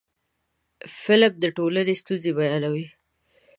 فلم د ټولنې ستونزې بیانوي